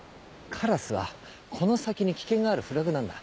カラスはこの先に危険があるフラグなんだ。